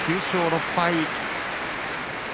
９勝６敗。